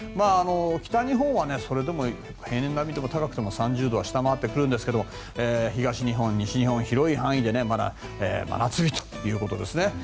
北日本はそれでも平年並みでも高くても３０度は下回ってくるんですが東日本、西日本、広い範囲でまだ真夏日ということですね。